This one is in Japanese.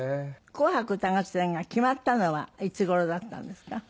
『紅白歌合戦』が決まったのはいつ頃だったんですか？